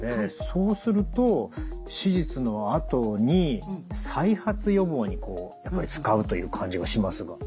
そうすると手術のあとに再発予防にやっぱり使うという感じがしますが。